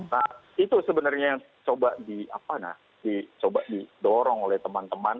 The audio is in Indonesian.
nah itu sebenarnya yang coba didorong oleh teman teman